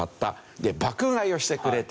で爆買いをしてくれていた。